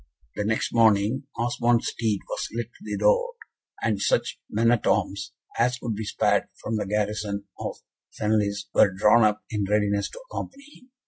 The next morning, Osmond's steed was led to the door, and such men at arms as could be spared from the garrison of Senlis were drawn up in readiness to accompany him.